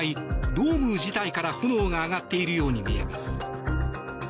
ドーム自体から炎が上がっているように見えます。